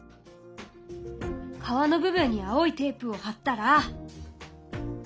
川の部分に青いテープを貼ったら。